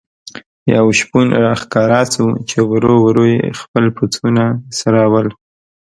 یو شپون را ښکاره شو چې ورو ورو یې خپل پسونه څرول.